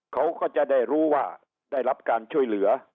เขาก็จะได้รู้ว่าได้รับการช่วยเหลือ